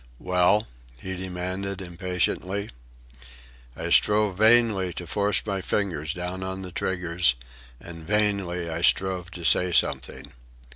"Well?" he demanded impatiently. I strove vainly to force my fingers down on the triggers, and vainly I strove to say something.